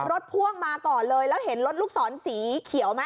พ่วงมาก่อนเลยแล้วเห็นรถลูกศรสีเขียวไหม